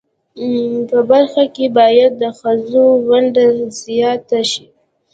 په برخه کښی باید د خځو ونډه ځیاته شی